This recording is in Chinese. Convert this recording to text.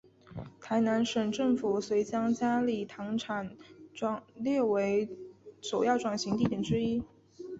台南县政府遂将佳里糖厂列为首要转型地点之一。